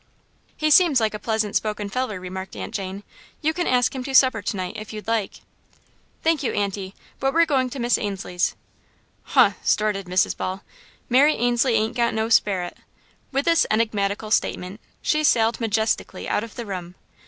"He seems like a pleasant spoken feller," remarked Aunt Jane. "You can ask him to supper to night, if you like." "Thank you, Aunty, but we're going to Miss Ainslie's." "Huh!" snorted Mrs. Ball. "Mary Ainslie ain't got no sperrit!" With this enigmatical statement, she sailed majestically out of the room.